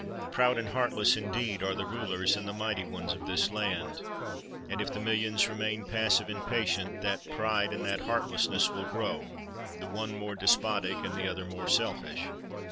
Proud and heartless, indeed, are the rulers and the mighty ones of this land; and if the millions remain passive and patient, that pride and that heartlessness will grow, the one more despotic and the other more selfish.